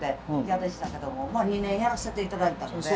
嫌でしたけどもまあ２年やらせていただいたので。